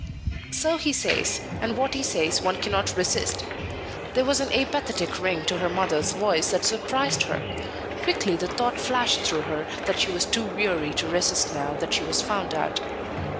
"So he says; and what he says one cannot resist." There was an apathetic ring to her mother's voice that surprised her. Quickly the thought flashed through her that she was too weary to resist now that she was found out.